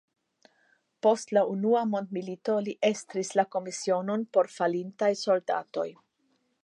Post la Unua mondmilito li estris la komisionon por falintaj soldatoj.